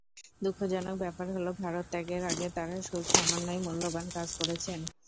দুঃখজনক ব্যাপার হলো, ভারত ত্যাগের আগে তাঁরা খুব সামান্যই মূল্যবান কাজ করেছেন।